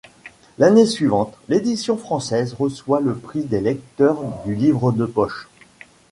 L'année suivante, l'édition française reçoit le prix des lecteurs du Livre de poche.